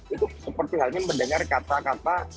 itu seperti halnya mendengar kata kata